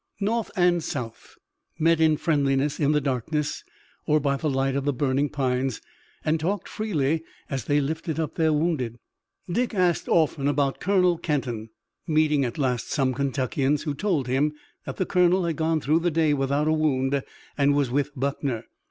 North and South met in friendliness in the darkness or by the light of the burning pines, and talked freely as they lifted up their wounded. Dick asked often about Colonel Kenton, meeting at last some Kentuckians, who told him that the colonel had gone through the day without a wound, and was with Buckner.